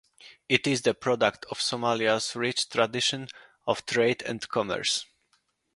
It is the product of Somalia's rich tradition of trade and commerce.